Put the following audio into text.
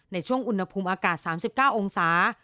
ในช่วงอุณหภูมิอากาศ๓๙องศา